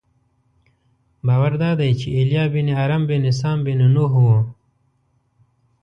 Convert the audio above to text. باور دادی چې ایلیا بن ارم بن سام بن نوح و.